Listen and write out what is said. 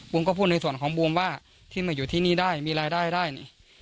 ก็พูดในส่วนของบูมว่าที่มาอยู่ที่นี่ได้มีรายได้ได้นี่